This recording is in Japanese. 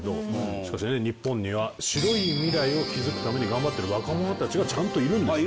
しかしね日本には白い未来を築くために頑張ってる若者たちがちゃんといるんです。